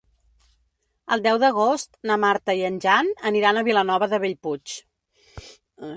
El deu d'agost na Marta i en Jan aniran a Vilanova de Bellpuig.